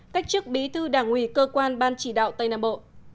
cách chức bí thư đảng ủy cơ quan ban chỉ đạo tây nam bộ